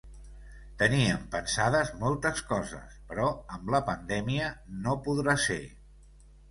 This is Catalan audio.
Teníem pensades moltes coses, però amb la pandèmia no podrà ser.